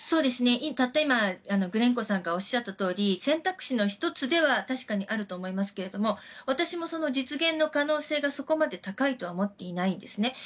たった今、グレンコさんがおっしゃったとおり選択肢の１つでは確かにあると思いますが私も実現の可能性がそこまで高いとは思っていないですね。